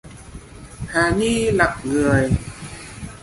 Hà Ni lặng người